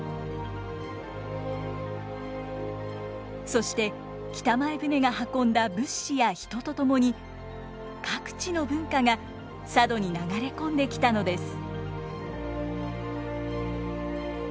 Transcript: そして北前船が運んだ物資や人と共に各地の文化が佐渡に流れ込んできたのです。